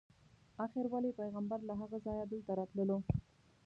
آخر ولې پیغمبر له هغه ځایه دلته راتللو.